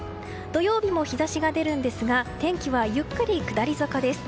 土曜日も日差しが出るんですが天気はゆっくり下り坂です。